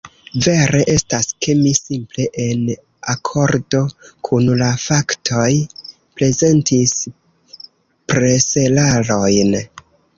Vere estas, ke mi simple en akordo kun la faktoj prezentis preserarojn.